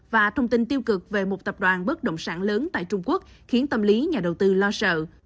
và thông tin tiêu cực về một tập đoàn bất động sản lớn tại trung quốc khiến tâm lý nhà đầu tư lo sợ